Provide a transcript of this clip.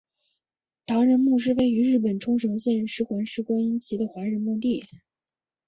唐人墓是位于日本冲绳县石垣市观音崎的华人墓地。